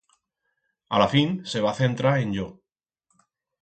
A la fin se va centrar en yo.